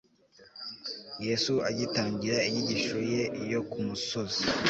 yesu agitangira inyigisho ye yo ku musozi